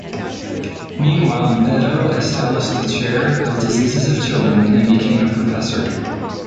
Meanwhile, Beddoe established the chair of Diseases of Children and became a professor.